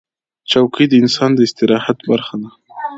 چوکۍ د انسان د استراحت برخه ده.